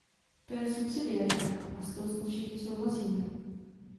To je subsidiarita, a s tou snad všichni souhlasíme?